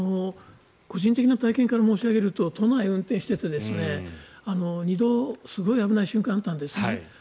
個人的な体験から申し上げると都内を運転していて２度、すごい危ない瞬間があったんですね。